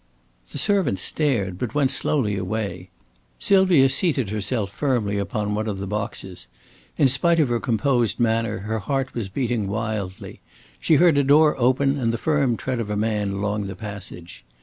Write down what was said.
The servant stared, but went slowly away. Sylvia seated herself firmly upon one of the boxes. In spite of her composed manner, her heart was beating wildly. She heard a door open and the firm tread of a man along the passage.